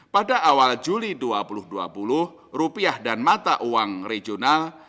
pada awal juli dua ribu dua puluh rupiah dan mata uang regional